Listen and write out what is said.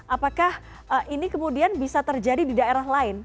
apakah ini kemudian bisa terjadi di daerah lain